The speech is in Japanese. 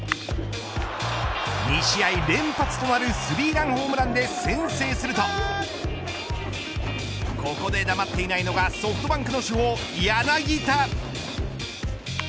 ２試合連続となるスリーランホームランで先制するとここで黙っていないのがソフトバンクの主砲、柳田。